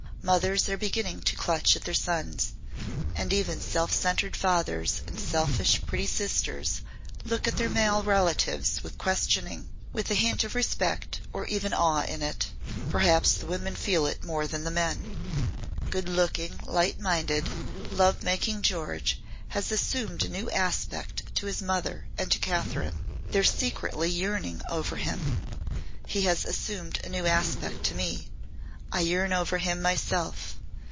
Mothers are beginning to clutch at their sons; and even self centred fathers and selfish pretty sisters look at their male relatives with questioning, with a hint of respect or even awe in it. Perhaps the women feel it more than the men. Good looking, light minded, love making George has assumed a new aspect to his mother and to Kathryn. They're secretly yearning over him. He has assumed a new aspect to me. I yearn over him myself.